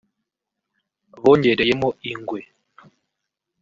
bongereyemo ingwe